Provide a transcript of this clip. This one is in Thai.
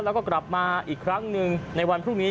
แล้วก็กลับมาอีกครั้งหนึ่งในวันพรุ่งนี้